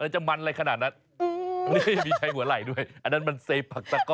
เอาล่ะมาวันนี้เจอกันไว้นี้ส์หนึ่ง